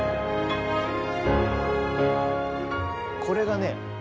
これがね